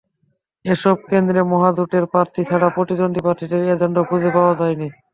এসব কেন্দ্রে মহাজোটের প্রার্থী ছাড়া প্রতিদ্বন্দ্বী প্রার্থীদের এজেন্টও খুঁজে পাওয়া যায়নি।